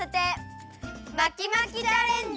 まきまきチャレンジ！